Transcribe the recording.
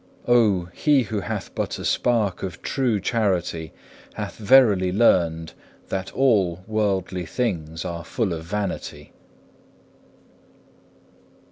Oh, he who hath but a spark of true charity, hath verily learned that all worldly things are full of vanity.